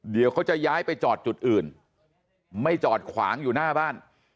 เดี๋ยวเขาจะย้ายไปจอดจุดอื่นไม่จอดขวางอยู่หน้าบ้าน